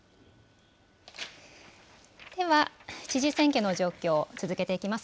では、知事選挙の状況、続けていきます。